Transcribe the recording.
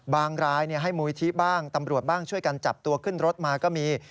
รายให้มูลิธิบ้างตำรวจบ้างช่วยกันจับตัวขึ้นรถมาก็มี